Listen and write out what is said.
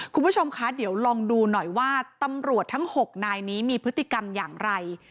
คุณผู้ชมคะเดี๋ยวลองดูหน่อยว่าตำรวจทั้ง๖นายนี้มีพฤติกรรมอย่างไร